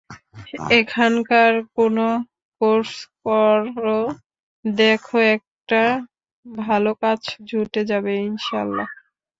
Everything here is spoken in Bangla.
এখানকার কোনো কোর্স কর, দেখো একটা ভালো কাজ জুটে যাবে ইনশা আল্লাহ।